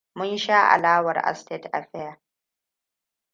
Mun sha alawar a state affair.